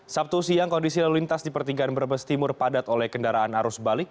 sabtu siang kondisi lalu lintas di pertigaan brebes timur padat oleh kendaraan arus balik